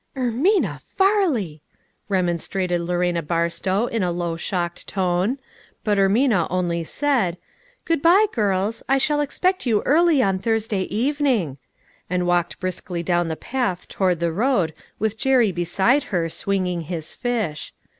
" Ermina Farley !" remonstrated Lorena Bar stow in a low shocked tone, but Ermina only said : "Good by, girls, I shall expect you early on Thursday evening," and walked briskly down the path toward the road, with Jerry beside her, swinging his fish.